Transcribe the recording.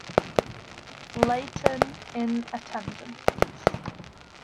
Leighton, in attendance.